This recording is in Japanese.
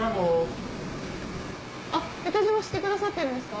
江田島知ってくださってるんですか？